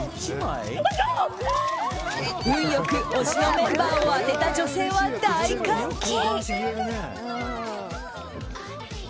運良く推しのメンバーを当てた女性は大歓喜！